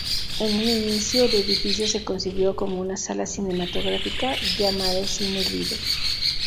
En un inicio el edificio se concibió como una sala cinematográfica, llamado ‘Cine Lido’.